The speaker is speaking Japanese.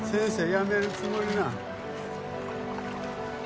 辞めるつもりなん？